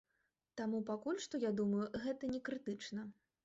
Таму пакуль што, я думаю, гэта не крытычна.